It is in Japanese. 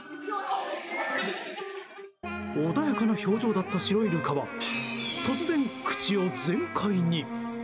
穏やかな表情だったシロイルカは突然、口を全開に。